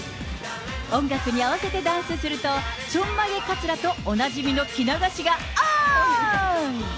音楽に合わせてダンスすると、ちょんまげかつらとおなじみの着流しがオン！